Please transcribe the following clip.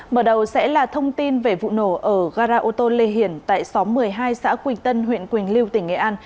mở đầu sẽ là thông tin về vụ nổ ở gara ô tô lê hiền tại xóm một mươi hai xã quỳnh tân huyện quỳnh lưu tỉnh nghệ an